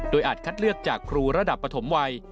อาจคัดเลือกจากครูระดับปฐมวัย